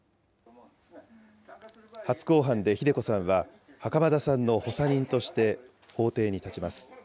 初公判でひで子さんは、袴田さんの補佐人として法廷に立ちます。